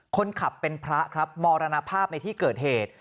คนขับเป็นพระครับมรณภาพในที่เกิดเหตุ